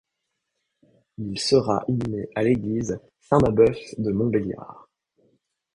Il sera inhumé à l'église Saint-Maimbœuf de Montbéliard.